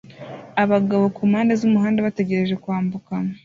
Abagabo kumpande zumuhanda bategereje kwambuka